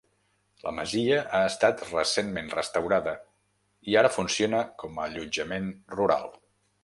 La masia ha estat recentment restaurada i ara funciona com a allotjament rural.